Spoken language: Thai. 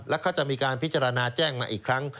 แล้วเขาจะมีการพิจารณาแจ้งมาอีกครั้ง